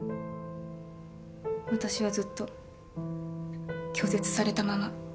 私はずっと拒絶されたまま。